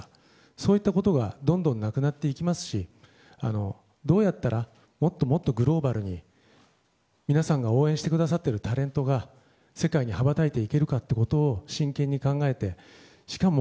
そういうことがどんどんなくなっていきますしどうやったらもっとグローバルに皆さんが応援してくださってるタレントが世界に羽ばたいていけるかということを真剣に考えてしかも